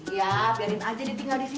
iya biarin aja dia tinggal disini